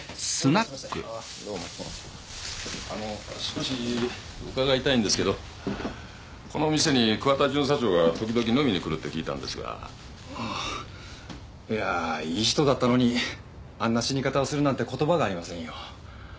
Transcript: お待たせしましてああどうもあの少し伺いたいんですけどこの店に桑田巡査長が時々飲みに来るって聞いたんですがいやいい人だったのにあんな死に方をするなんて言葉がありませんよ